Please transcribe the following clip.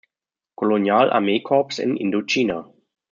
Kolonial-Armeekorps in Indochina.